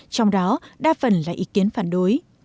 trong đó đa phần là ý kiến phản đối